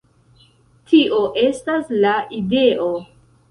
Tio estas la ideo.